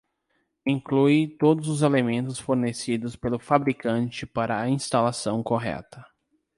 Inclui todos os elementos fornecidos pelo fabricante para a instalação correta.